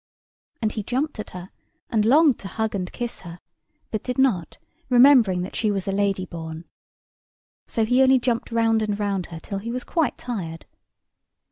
And he jumped at her, and longed to hug and kiss her; but did not, remembering that she was a lady born; so he only jumped round and round her till he was quite tired.